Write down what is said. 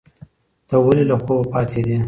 ته ولې له خوبه پاڅېدې؟